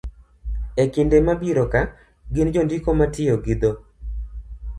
e kinde mabiro ka gin jondiko ma tiyo gi dho